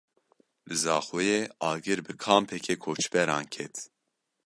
Li Zaxoyê Agir bi kampeke koçberan ket.